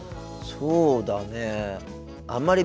そうだね。